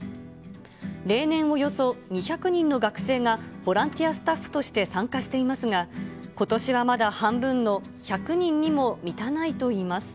例年、およそ２００人の学生が、ボランティアスタッフとして参加していますが、ことしはまだ半分の１００人にも満たないといいます。